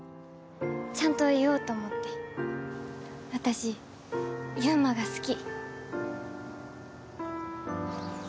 ちゃんと言おうと思って、私、祐馬が好き。